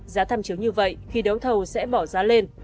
giá tham chiếu như vậy khi đấu thầu sẽ bỏ giá lên